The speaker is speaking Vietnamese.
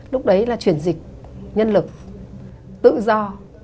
lúc đấy là chuyển dịch nhân lực tự do